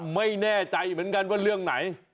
ไม่แน่ใจเหมือนกันว่าเรื่องไหน